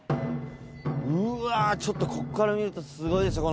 うわちょっとここから見るとすごいです。